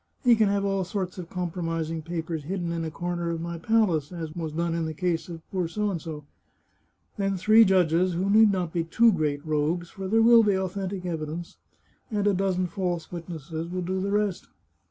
He can have all sorts of compromising papers hidden in a comer 295 The Chartreuse of Parma of my palace, as was done in the case of poor L . Then three judges — who need not be too great rogues, for there will be authentic evidence — and a dozen false witnesses, will do the rest.